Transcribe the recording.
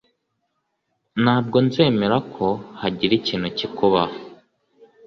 Ntabwo nzemera ko hagira ikintu kikubaho